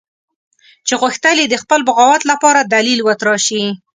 چې غوښتل یې د خپل بغاوت لپاره دلیل وتراشي.